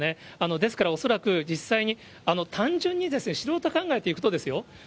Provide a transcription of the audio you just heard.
ですから、恐らく実際に、単純に、素人考えということですよ。